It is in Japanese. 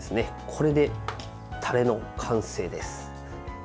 これでタレの完成です。